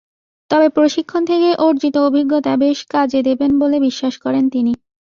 তবে প্রশিক্ষণ থেকে অর্জিত অভিজ্ঞতা বেশ কাজে দেবেন বলে বিশ্বাস করেন তিনি।